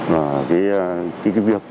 và cái việc